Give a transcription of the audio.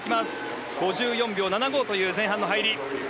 ５４秒７５という前半の入り。